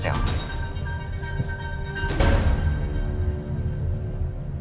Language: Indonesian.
saya harus mencari